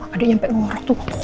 aduh nyampe ngorok tuh